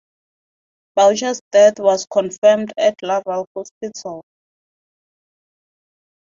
Boucher's death was confirmed at Laval hospital.